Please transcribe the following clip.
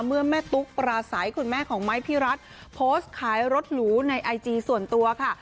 เมื่อแม่ตุ๊กปราศัยคุณแม่ของไม้พี่รัฐโพสต์ขายรถหรูในไอจีส่วนตัวค่ะ